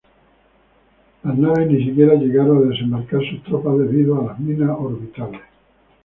Las naves ni siquiera llegaron a desembarcar sus tropas debido a las minas orbitales.